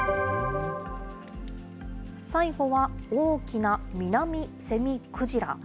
最後は、大きなミナミセミクジラ。